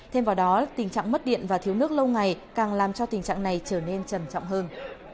thêm vào đó tình trạng mất điện và thiếu nước lâu ngày càng làm cho tình trạng này trở nên trầm trọng hơn